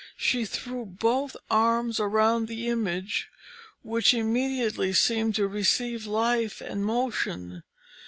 She threw both her arms round the image, which immediately seemed to receive life and motion.